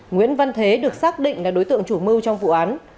nguyễn văn thế được xác định là đối tượng chủ mưu trong vụ án